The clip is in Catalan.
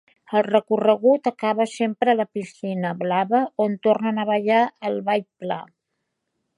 El recorregut acaba sempre a la Piscina Blava, on tornen a ballar el Ball Pla.